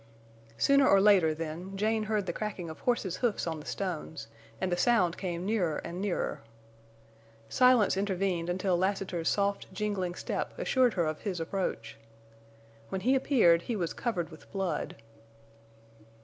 Sooner or later, then, Jane heard the cracking of horses' hoofs on the stones, and the sound came nearer and nearer. Silence intervened until Lassiter's soft, jingling step assured her of his approach. When he appeared he was covered with blood.